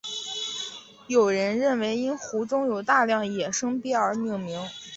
有人认为因湖中有大量野生鳖而命名。